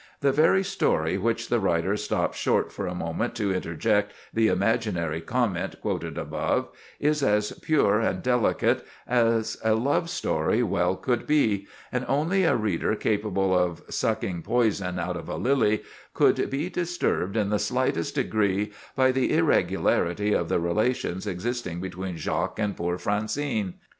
The very story which the writer stops short for a moment to interject the imaginary comment quoted above, is as pure and delicate as a love story well could be, and only a reader capable of sucking poison out of a lily, could be disturbed in the slightest degree by the irregularity of the relations existing between Jacques and poor Francine.